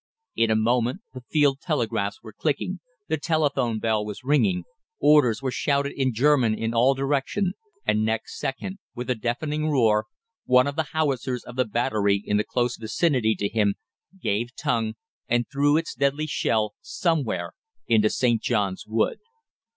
In a moment the field telegraphs were clicking, the telephone bell was ringing, orders were shouted in German in all directions, and next second, with a deafening roar, one of the howitzers of the battery in the close vicinity to him gave tongue and threw its deadly shell somewhere into St. John's Wood.